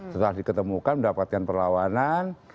setelah diketemukan mendapatkan perlawanan